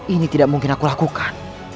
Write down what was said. ini tidak mungkin aku lakukan